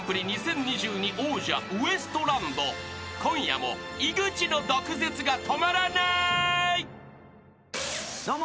［今夜も井口の毒舌が止まらない］どうも。